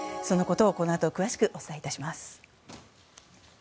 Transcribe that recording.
そのことをこのあと詳しくお伝えします。